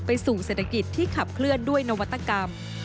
สู่เศรษฐกิจที่ขับเคลื่อนด้วยนวัตกรรม